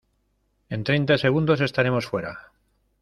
en treinta segundos estaremos fuera.